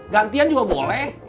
gantian juga boleh